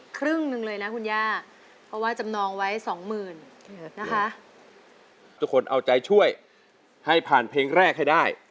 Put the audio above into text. คือจะทำวันจบมากนั้นก็ต้องมีขวาเรื่องไว้แล้วนะครับ